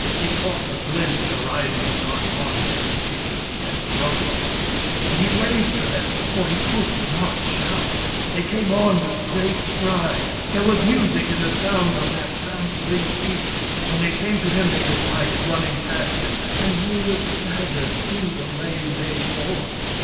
He caught the glint of the rising sun on their spears and throwing sticks ; and he waved to them, for he could not shout. They came on with great strides : there was music in the sound of their trampling feet. When they came to him, they divided, running past him, and Wurip staggered through the lane they formed.